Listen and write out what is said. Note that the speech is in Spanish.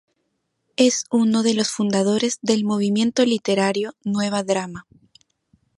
Es uno de los fundadores del movimiento literario Nuevo Drama.